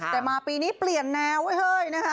แต่มาปีนี้เปลี่ยนแนวไว้เฮ้ยนะคะ